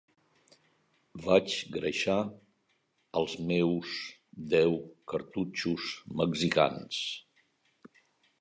Vaig greixar els meus deu cartutxos mexicans